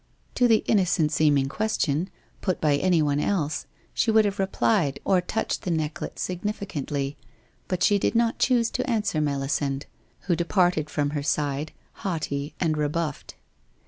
To the innocent seeming question, put by anyone else, she would have replied, or touched the necklet, significantly, but she did not choose to answer Melisande, who departed from her side, haughty and rebuffed.